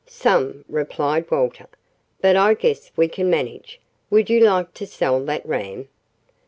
"Some," replied Walter. "But I guess we can manage. Would you like to sell that ram?"